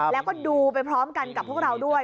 แล้วก็ดูไปพร้อมกันกับพวกเราด้วย